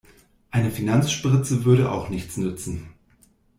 Eine Finanzspritze würde auch nichts nützen.